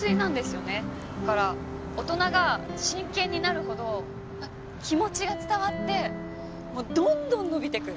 だから大人が真剣になるほど気持ちが伝わってもうどんどん伸びてく！